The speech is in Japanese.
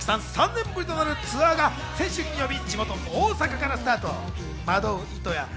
３年ぶりとなるツアーが先週金曜日、地元の大阪からスタート。